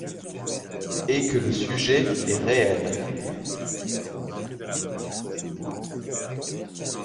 et que le sujet est réel.